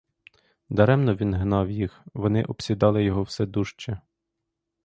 Даремно він гнав їх, вони обсідали його все дужче.